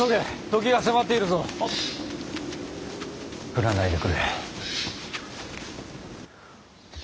降らないでくれ。